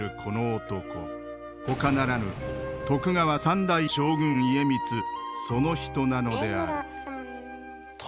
他ならぬ徳川三代将軍家光その人なのである殿！